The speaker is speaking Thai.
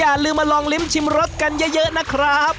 อย่าลืมมาลองลิ้มชิมรสกันเยอะนะครับ